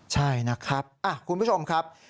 ใช่นะครับคุณผู้ชมครับ